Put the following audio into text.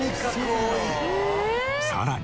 さらに。